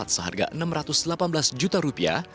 seharga enam ratus delapan belas juta rupiah